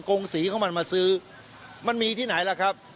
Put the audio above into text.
งศรีของมันมาซื้อมันมีที่ไหนล่ะครับ